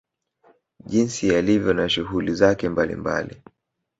Jinsi yalivyo na shughuli zake mbali mbali